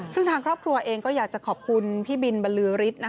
ซึ่งทางครอบครัวเองก็อยากจะขอบคุณพี่บินบรรลือฤทธิ์